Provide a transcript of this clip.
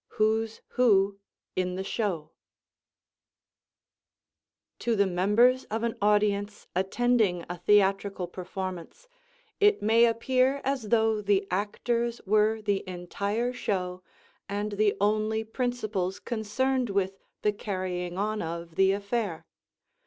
"WHO'S WHO" IN THE SHOW To the members of an audience attending a theatrical performance it may appear as though the actors were the entire show and the only principals concerned with the carrying on of the affair.